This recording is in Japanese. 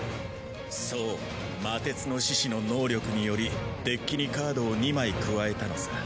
そう魔鉄の獅子の能力によりデッキにカードを２枚加えたのさ。